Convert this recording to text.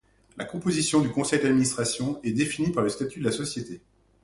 La composition du conseil d'administration est définie par le statut de la société.